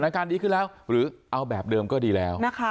การดีขึ้นแล้วหรือเอาแบบเดิมก็ดีแล้วนะคะ